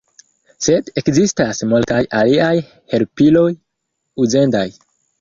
Sed ekzistas multaj aliaj helpiloj uzendaj.